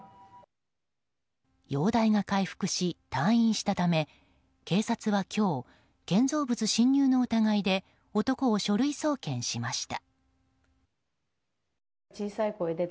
容体が回復し退院したため警察は今日建造物侵入の疑いで男を書類送検しました。